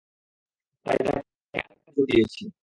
তাই তাকে আরেকটা চাকরির জোর দিয়েছি।